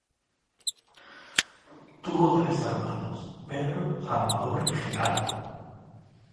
Tuvo tres Hermanos: Pedro, Salvador y Gerardo.